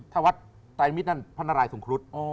ถ้าวัดไตรมิตรนั่นพระนารายสงครุฑ